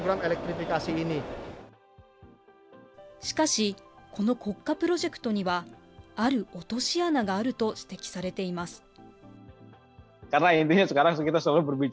しかし、この国家プロジェクトには、ある落とし穴があると指摘されています。